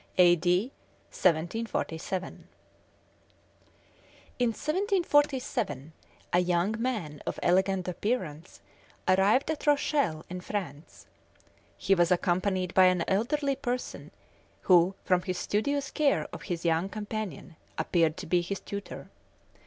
A.D. 1747. In 1747 a young man of elegant appearance arrived at Rochelle, in France. He was accompanied by an elderly person, who, from his studious care of his young companion, appeared to be his tutor.